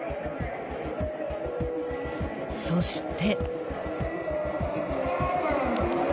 ［そして］